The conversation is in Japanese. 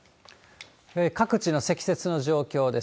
各地の積雪の状況です。